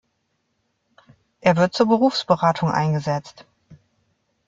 Er wird zur Berufsberatung eingesetzt.